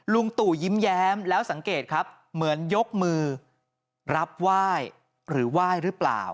ลุงตู่ยิ้มแย้มแล้วสังเกตครับเหมือนยกมือรับไหว้หรือไหว้หรือเปล่า